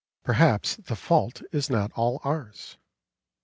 Perhaps the fault is not all ours.